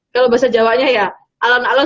kalau bahasa jawanya ya alon alon